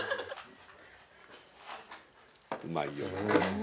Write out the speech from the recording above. うまいよね。